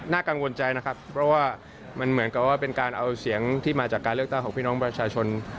กังวลใจนะครับเพราะว่ามันเหมือนกับว่าเป็นการเอาเสียงที่มาจากการเลือกตั้งของพี่น้องประชาชน